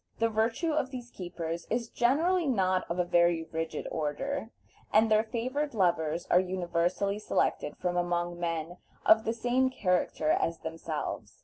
The virtue of these keepers is certainly not of a very rigid order, and their favored lovers are universally selected from among men of the same character as themselves.